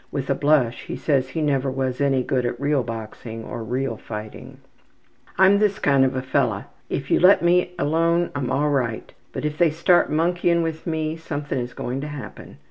With a blush he says he never was any good at real boxing or real fighting.) ``I'm this kind of a fellow. If they let me alone I'm all right, but if they start monkeying with me something is going to happen.